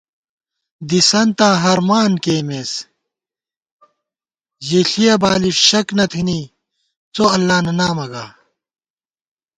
دِسَنتاں ہرمان کېئیمېس، ژِݪِیَہ بالہ شَک نہ تھِنی څو اللہ نہ نامہ گا